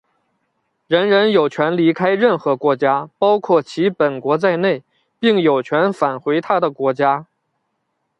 人人有权离开任何国家,包括其本国在内,并有权返回他的国家。